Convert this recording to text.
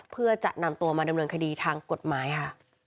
เพื่อจะนำตัวมาดำเนินคดีทางกฎหมายค่ะ